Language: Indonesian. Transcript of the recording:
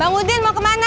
bang udin mau kemana